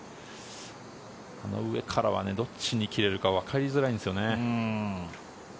上からはどっちに切れるかわかりづらいんですよね。